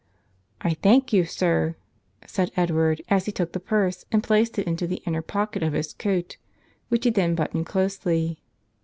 "I thank you, sir," said Edward as he took the purse and placed it into the inner pocket of his coat, which he then buttoned closely.